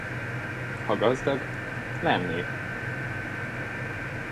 Ha gazdag, lennék!